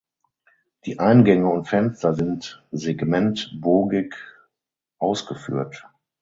Die Eingänge und Fenster sind segmentbogig ausgeführt.